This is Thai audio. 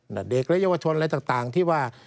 เด็กและเยาวชนอะไรต่างที่ว่า